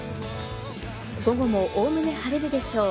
午後もおおむね晴れるでしょう。